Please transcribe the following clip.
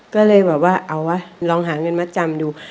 ก็เลยแบบว่าเอาวะลองหาเงินมาจำดู